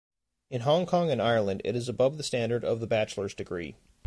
In Hong Kong and Ireland it is above the standard of the bachelor's degree.